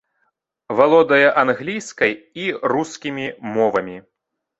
Валодае англійскай і рускімі мовамі.